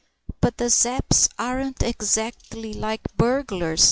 "But the Zepps aren't exactly like burglars!"